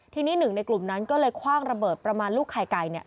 ทีนี้หนึ่งในกลุ่มนั้นก็เลยคว่างระเบิดประมาณลูกไข่ไก่เนี่ย